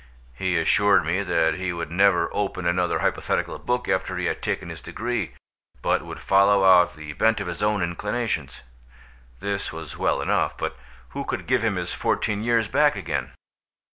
He assured me that he would never open another hypothetical book after he had taken his degree, but would follow out the bent of his own inclinations. This was well enough, but who could give him his fourteen years back again?